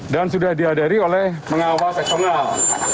dan sudah dihadiri oleh pengawas eksternal